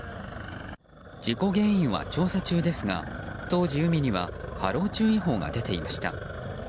事故原因は調査中ですが当時、海には波浪注意報が出ていました。